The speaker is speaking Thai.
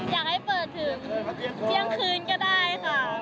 อยากให้เปิดถึงเที่ยงคืนก็ได้ค่ะ